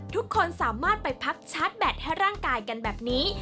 ทุกคนสามารถไปพักชาร์จแบตให้ร่างกายกันแบบนี้